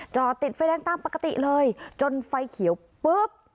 จอดติดไฟแดงตามปกติเลยจนไฟเขียวปุ๊บ